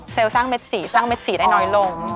สร้างเม็ดสีสร้างเม็ดสีได้น้อยลง